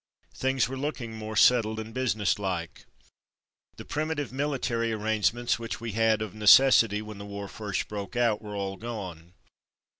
Things were looking more settled and busi nesslike. The primitive military arrange ments which we had of necessity when the 90 From Mud to Mufti war first broke out, were all gone.